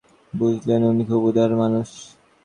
বুঝলেন, উনি খুব উদার মানুষ।